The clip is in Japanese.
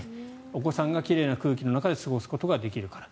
お子さんが奇麗な空気の中で過ごすことができるから。